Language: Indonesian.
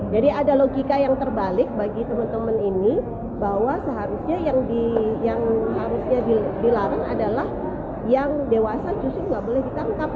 jadi ada logika yang terbalik bagi teman teman ini bahwa seharusnya yang harusnya dilarang adalah yang dewasa justru nggak boleh ditangkap